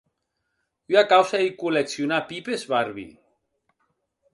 Ua causa ei colleccionar pipes Barbie.